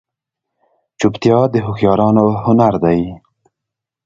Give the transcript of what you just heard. چوپتیا، د هوښیارانو هنر دی.